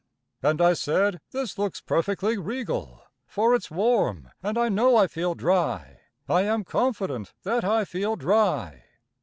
And I said: "This looks perfectly regal, For it's warm, and I know I feel dry, I am confident that I feel dry.